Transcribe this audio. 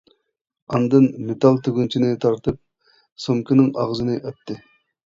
ئاندىن مېتال تۈگۈنچىنى تارتىپ سومكىنىڭ ئاغزىنى ئەتتى.